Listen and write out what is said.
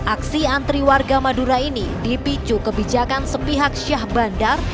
aksi antri warga madura ini dipicu kebijakan sepihak syah bandar